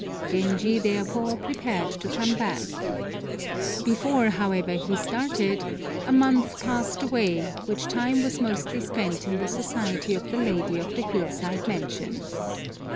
Genji therefore prepared to come back. Before, however, he started, a month passed away, which time was mostly spent in the society of the lady of the hill side mansion.